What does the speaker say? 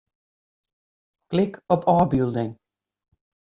Klik op ôfbylding.